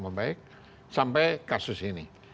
membaik sampai kasus ini